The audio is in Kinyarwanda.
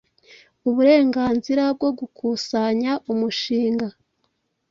uburenganzira bwo gukusanya Umushinga